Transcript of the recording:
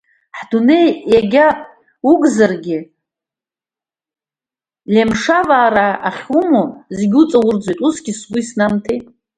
Ҳдунеи, егьа угзаргь, лемешевраа ахьумоу, зегь уҵаурӡуеит усгьы сгәы иснамҭеи.